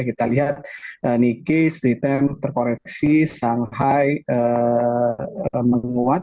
kita lihat nikkei stitem terkoreksi shanghai menguat